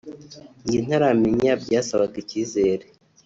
njye ntaramenya byasabaga icyizere